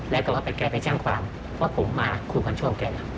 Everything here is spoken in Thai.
แล้วก็เอาแกไปจ้างความว่าผมมาครูควัญโชคแก